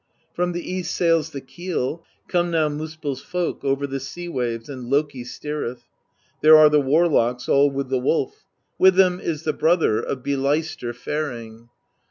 From the east sails the keel; come now MuspeU's folk Over the sea waves, and Loki steereth; There are the warlocks all with the Wolf, — With them is the brother of Byleistr faring.